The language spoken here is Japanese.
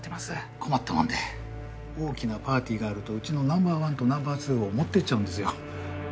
困ったもんで大きなパーティーがあるとうちのナンバー１とナンバー２を持っていっちゃうんですよ。